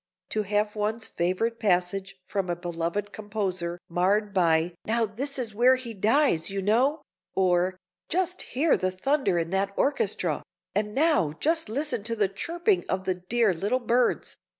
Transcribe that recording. To have one's favorite passage from a beloved composer marred by "Now this is where he dies, you know," or "Just hear the thunder in that orchestra, and now just listen to the chirping of the dear little birds!"